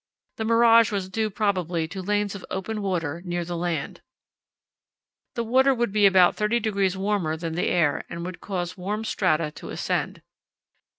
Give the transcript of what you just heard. The mirage was due probably to lanes of open water near the land. The water would be about 30° warmer than the air and would cause warmed strata to ascend.